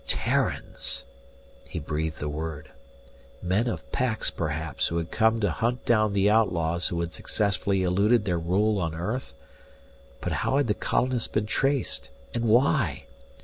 "Terrans!" he breathed the word. Men of Pax perhaps who had come to hunt down the outlaws who had successfully eluded their rule on earth? But how had the colonists been traced? And why?